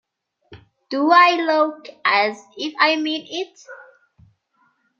Do I look as if I mean it?